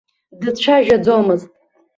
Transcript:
Дцәажәаӡомызт.